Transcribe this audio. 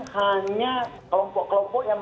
hanya kelompok kelompok yang